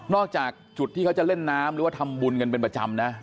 จากจุดที่เขาจะเล่นน้ำหรือว่าทำบุญกันเป็นประจำนะ